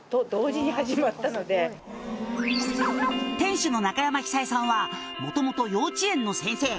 「店主の中山久江さんは元々幼稚園の先生」